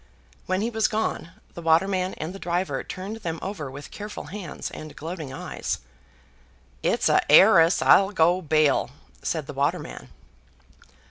When he was gone, the waterman and the driver turned them over with careful hands and gloating eyes. "It's a 'eiress, I'll go bail," said the waterman.